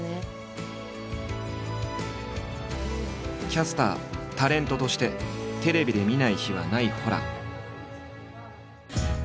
キャスタータレントとしてテレビで見ない日はないホラン。